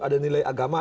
ada nilai agama